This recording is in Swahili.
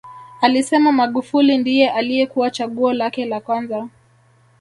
Alisema Magufuli ndiye aliyekuwa chaguo lake la kwanza